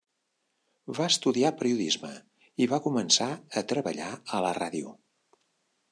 Va estudiar periodisme i va començar a treballar a la ràdio.